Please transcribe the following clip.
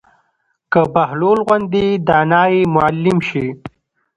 که بهلول غوندې دانا ئې معلم شي